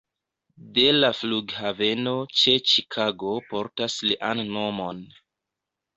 De la flughaveno ĉe Ĉikago portas lian nomon.